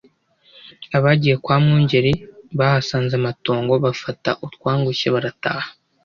Abagiye kwa Mwungeri bahasanze amatongo bafata utwangushye barataha